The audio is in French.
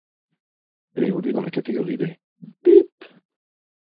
Elle évolue dans la catégorie des -.